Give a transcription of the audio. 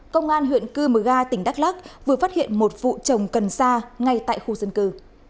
công an huyện cư mờ ga tỉnh đắk lắc vừa phát hiện một vụ chồng cần sa ngay tại khu dân cư